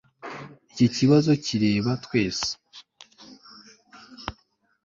Iki kibazo kireba twese